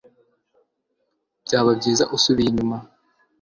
byaba byiza usubiye inyuma